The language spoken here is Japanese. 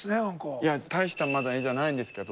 いや大したまだ絵じゃないんですけど。